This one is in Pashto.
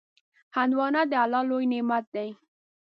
هندوانه د الله لوی نعمت دی.